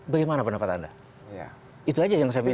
bagaimana pendapat anda itu aja yang saya minta